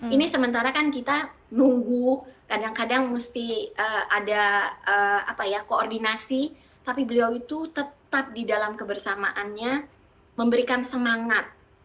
ini sementara kan kita nunggu kadang kadang mesti ada koordinasi tapi beliau itu tetap di dalam kebersamaannya memberikan semangat